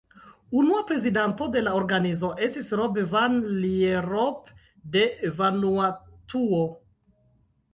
Unua prezidanto de la organizo estis Robert Van Lierop de Vanuatuo.